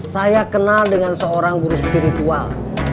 saya kenal dengan seorang guru spiritual